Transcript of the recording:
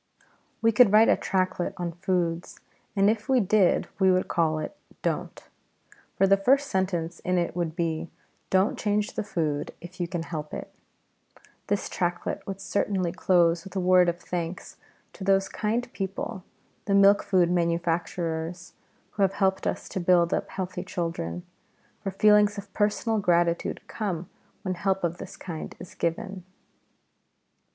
We could write a tractlet on foods, and if we did we would call it "Don't," for the first sentence in it would be, "Don't change the food if you can help it." This tractlet would certainly close with a word of thanks to those kind people, the milk food manufacturers, who have helped us to build up healthy children; for feelings of personal gratitude come when help of this kind is given.